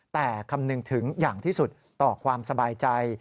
แต่คำนึงถึงอย่างที่สุดต่อความสบายใจ